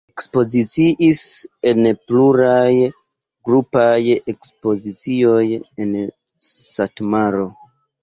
Ŝi ekspoziciis en pluraj grupaj ekspozicioj en Satmaro.